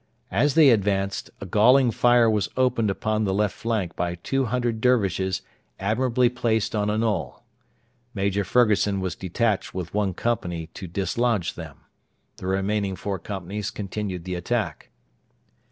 As they advanced, a galling fire was opened upon the left flank by two hundred Dervishes admirably placed on a knoll. Major Fergusson was detached with one company to dislodge them. The remaining four companies continued the attack.